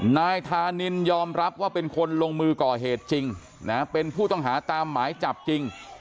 นายธานินยอมรับว่าเป็นคนลงมือก่อเหตุจริงนะเป็นผู้ต้องหาตามหมายจับจริง